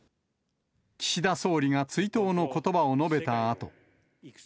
岸田総理が追悼のことばを述べたあと。